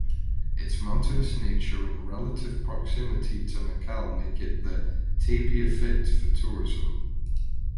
Its mountainous nature and relative proximity to Mekelle make the "tabia" fit for tourism.